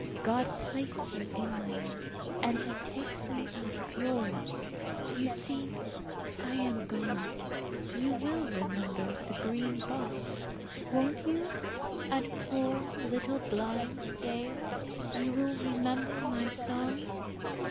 God placed you in my life, and He takes me out of yours. You see, I am going. You will remember the Green Box, won't you, and poor blind little Dea? You will remember my song?